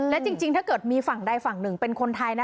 และจริงถ้าเกิดมีฝั่งใดฝั่งหนึ่งเป็นคนไทยนะ